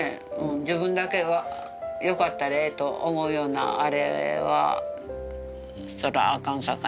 自分だけがよかったらええと思うようなあれはそれはあかんさかい